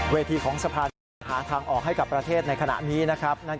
เวทีของสภาที่ต้องหาทางออกให้กับประเทศในขณะนี้นะครับ